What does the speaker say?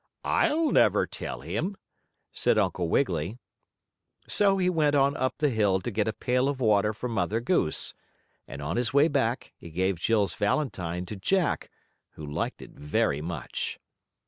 "I'll never tell him," said Uncle Wiggily. So he went on up the hill to get a pail of water for Mother Goose. And on his way back he gave Jill's valentine to Jack, who liked it very much.